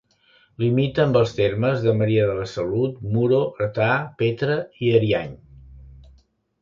Limita amb els termes de Maria de la Salut, Muro, Artà, Petra i Ariany.